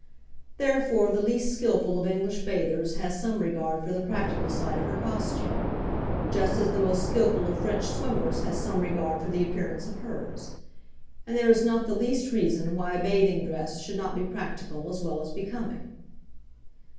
Therefore the least skilful of English bathers has some regard for the practical side of her costume, just as the most skilful of French swimmers has some regard for the appearance of hers. And there is not the least reason why a bathing dress should not be practical as well as becoming.